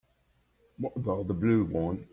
What about the blue one?